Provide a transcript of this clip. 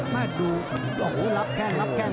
มาดูโอ้โหรับแข้งรับแข้ง